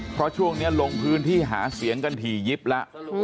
เพราะช่วงนี้ลงพื้นที่หาเสียงกันถี่ยิบแล้ว